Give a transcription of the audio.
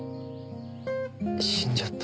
死んじゃった？